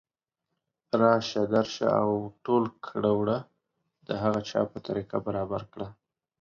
راشه درشه او او ټول کړه وړه د هغه چا په طریقه برابر کړه